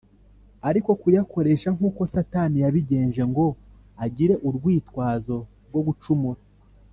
, ariko kuyakoresha nkuko Satani yabigenje, ngo agire urwitwazo rwo gucumura